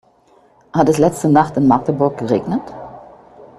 Hat es letzte Nacht in Magdeburg geregnet?